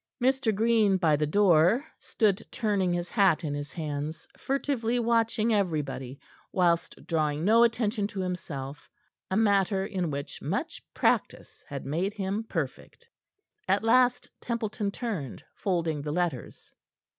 Mr. Green, by the door, stood turning his hat in his hands, furtively watching everybody, whilst drawing no attention to himself a matter in which much practice had made him perfect. At last Templeton turned, folding the letters.